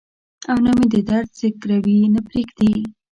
او نه مې د درد ځګروي ته پرېږدي.